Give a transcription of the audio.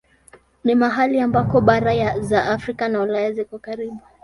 Ni mahali ambako bara za Afrika na Ulaya ziko karibu.